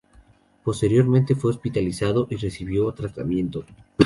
Posteriormente fue hospitalizado y recibió tratamiento.